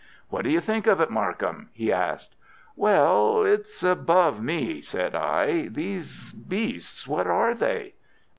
"What do you think of it, Markham?" he asked. "Well, it's above me," said I. "These beasts—what are they?"